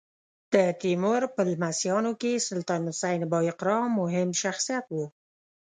د تیمور په لمسیانو کې سلطان حسین بایقرا مهم شخصیت و.